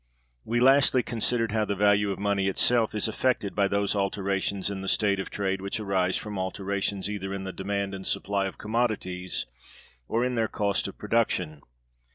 We lastly considered how the value of money itself is affected by those alterations in the state of trade which arise from alterations either in the demand and supply of commodities or in their cost of production.